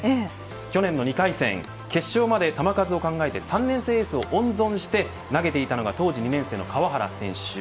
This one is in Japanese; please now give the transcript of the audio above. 去年の２回戦決勝まで球数を考えて３年生エースを温存して投げていたのが当時２年生の川原選手。